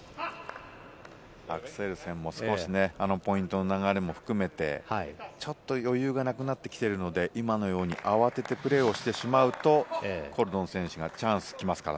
アクセルセンも少しポイントの流れも含めて、ちょっと余裕がなくなってきているので、今のように慌ててプレーをしてしまうとコルドン選手にチャンスが来ますから。